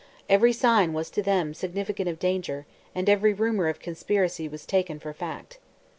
Every sign was to them significant of danger, and every rumour of conspiracy was taken for fact.